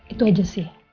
itu aja sih